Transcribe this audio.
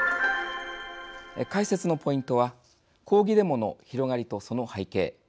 解説のポイントは抗議デモの広がりとその背景。